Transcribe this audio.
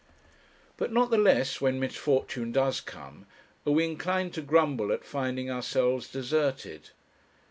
But not the less, when misfortune does come, are we inclined to grumble at finding ourselves deserted.